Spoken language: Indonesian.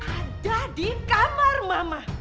ada di kamar mama